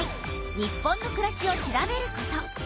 日本のくらしを調べること。